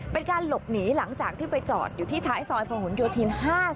เป็นการหลบหนีหลังจากที่ไปจอดอยู่ที่ท้ายซอยพหนโยธิน๕๐